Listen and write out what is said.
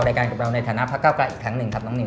รายการกับเราในฐานะพักก้าวกลายอีกครั้งหนึ่งครับน้องนิว